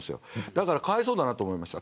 だから、かわいそうだなと思いました。